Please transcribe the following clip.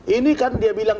ini kan dia bilang